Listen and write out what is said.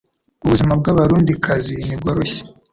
Ubuzima bw'abarundi kazi ntibworoshye